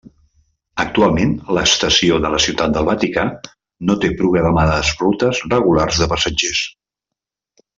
Actualment, l'estació de la Ciutat del Vaticà no té programades rutes regulars de passatgers.